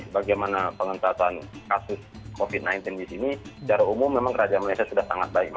bagaimana pengentasan kasus covid sembilan belas di sini secara umum memang kerajaan malaysia sudah sangat baik